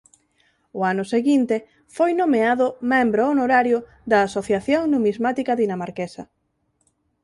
O ano seguinte foi nomeado membro honorario da Asociación Numismática Dinamarquesa.